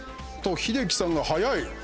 英樹さんが早い！